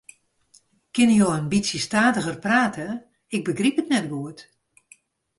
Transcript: Kinne jo in bytsje stadiger prate, ik begryp it net goed.